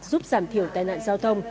giúp giảm thiểu tai nạn giao thông